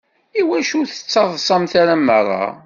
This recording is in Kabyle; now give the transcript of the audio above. Iwacu ur tettaḍsamt ara merra?